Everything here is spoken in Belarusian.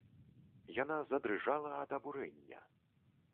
Яна задрыжала ад абурэння.